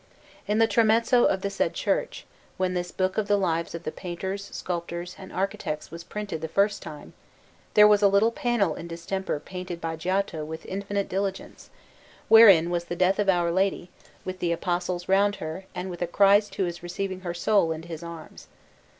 In the tramezzo of the said church, when this book of the Lives of the Painters, Sculptors, and Architects was printed the first time, there was a little panel in distemper painted by Giotto with infinite diligence, wherein was the death of Our Lady, with the Apostles round her and with a Christ who is receiving her soul into His arms.